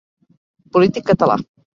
Polític català.